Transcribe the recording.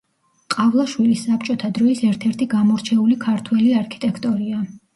ყავლაშვილი საბჭოთა დროის ერთ-ერთი გამორჩეული ქართველი არქიტექტორია.